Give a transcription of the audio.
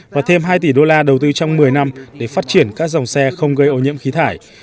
và thêm hai tỷ đô la đầu tư trong một mươi năm để phát triển các dòng xe không gây ô nhiễm khí thải